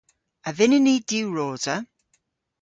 A vynnyn ni diwrosa?